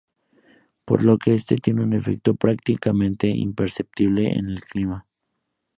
Por lo que esto tiene un efecto prácticamente imperceptible en el clima.